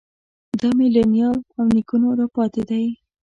دا مې له نیا او نیکونو راپاتې دی.